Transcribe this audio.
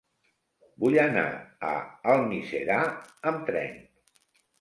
Vull anar a Almiserà amb tren.